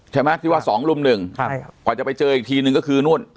ใช่ไหมที่ว่าสองรุ่มหนึ่งใช่ครับกว่าจะไปเจออีกทีนึงก็คือนู่น